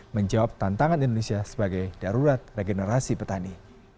menjawab tantangan indonesia sebagai darurat regenerasi petani